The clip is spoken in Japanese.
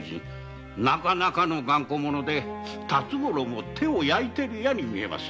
なかなかの頑固者で辰五郎も手を焼いてるようですな。